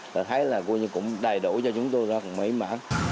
đã thấy là cũng đầy đủ cho chúng tôi ra mấy mạng